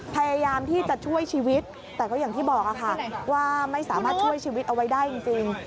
พยายามที่จะช่วยชีวิตแต่ก็อย่างที่บอกค่ะว่าไม่สามารถช่วยชีวิตเอาไว้ได้จริง